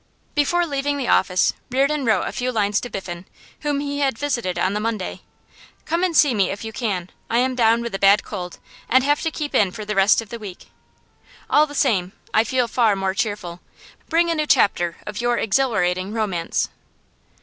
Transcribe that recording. Before leaving the office, Reardon wrote a few lines to Biffen, whom he had visited on the Monday. 'Come and see me if you can. I am down with a bad cold, and have to keep in for the rest of the week. All the same, I feel far more cheerful. Bring a new chapter of your exhilarating romance.